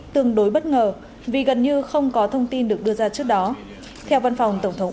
tương đối bất ngờ vì gần như không có thông tin được đưa ra trước đó theo văn phòng tổng thống